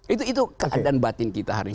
itu keadaan batin kita hari ini